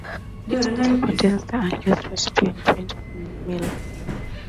It also contains the earliest recipe in print for mille-feuille.